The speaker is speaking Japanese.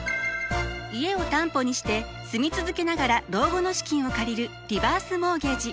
家を担保にして住み続けながら老後の資金を借りるリバースモーゲージ。